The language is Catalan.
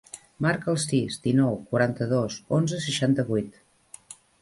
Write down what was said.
Marca el sis, dinou, quaranta-dos, onze, seixanta-vuit.